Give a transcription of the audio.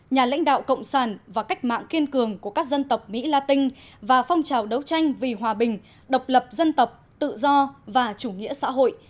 nhà lãnh đạo cộng sản và cách mạng kiên cường của các dân tộc mỹ la tinh và phong trào đấu tranh vì hòa bình độc lập dân tộc tự do và chủ nghĩa xã hội